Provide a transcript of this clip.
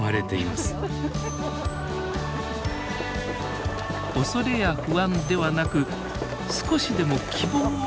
恐れや不安ではなく少しでも希望を持って生きたい。